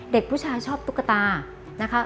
เด็กผู้ชายชอบตุ๊กตานะคะ